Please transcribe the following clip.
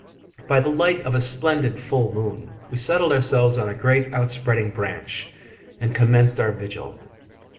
By the light of a splendid full moon we settled ourselves on a great outspreading branch, and commenced our vigil.